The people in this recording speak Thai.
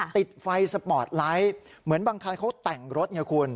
ติดไฟสปอร์ตไลท์เหมือนบางคันเขาแต่งรถไงคุณ